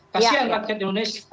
kasian rakyat indonesia